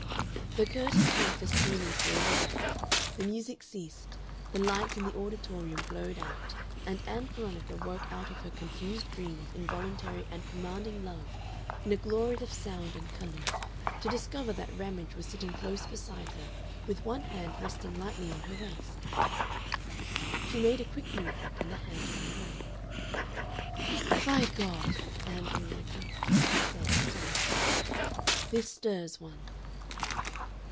The curtain came festooning slowly down, the music ceased, the lights in the auditorium glowed out, and Ann Veronica woke out of her confused dream of involuntary and commanding love in a glory of sound and colors to discover that Ramage was sitting close beside her with one hand resting lightly on her waist. She made a quick movement, and the hand fell away. "By God! Ann Veronica," he said, sighing deeply. "This stirs one."